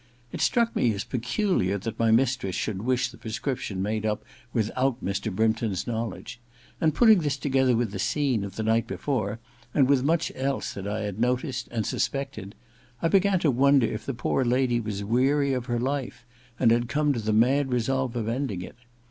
It struck me as peculiar that my mistress should wish the prescription made up without Mr. Brympton's knowledge ; and, putting this 141 142 THE LADY'S MAID*S BELL iii together with the scene of the night before, and with much else that I had noticed and suspected, I began to wonder if the poor lady was weary of her life, and had come to the mad resolve of ending it.